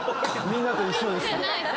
みんなと一緒です。